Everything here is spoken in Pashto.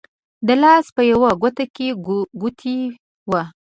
د لاس په يوه ګوته يې ګوتې وه